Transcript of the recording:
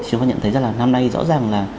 chúng ta nhận thấy rằng là năm nay rõ ràng là